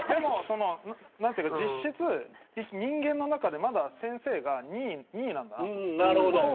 実質、人間の中でまだ先生が２位なんだなと。